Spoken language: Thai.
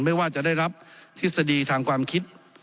ไม่ว่าจะได้รับทฤษฎีทางความคิด